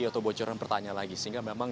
atau bocoran pertanyaan lagi sehingga memang